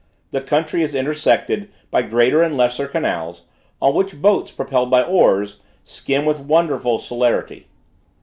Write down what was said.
The country is intersected by greater and lesser canals, on which boats propelled by oars, skim with wonderful celerity.